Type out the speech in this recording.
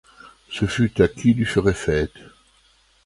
Ce fut à qui lui ferait fête.